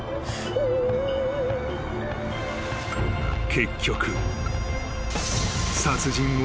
［結局］